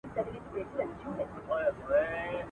پرون یې کلی، نن محراب سبا چنار سوځوي.